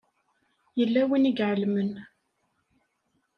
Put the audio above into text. Yella win i iɛelmen.